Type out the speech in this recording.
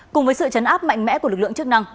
cùng với sự chấn áp mạnh mẽ của lực lượng chức năng